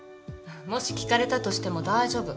もし聞かれたとしても大丈夫。